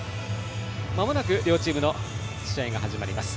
まもなく両チームの試合が始まります。